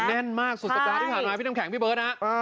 แน่นมากสุศตราที่ถามมาพี่น้ำแข็งพี่เบิร์ตนะ